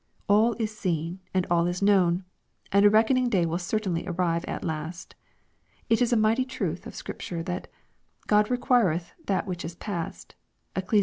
All is seen, and all is known ; and a reckoning day will certainly arrive at last. It is a mighty truth of Scripture, that " God requireth that which is past." (Eccles.